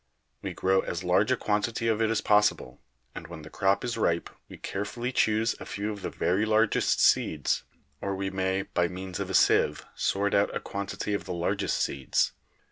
We grow as large a quantity of it as possible, and when the crop is ripe we carefully choose a few of the very largest seeds or we may by means of a sieve sort out a quantity of the largest seeds.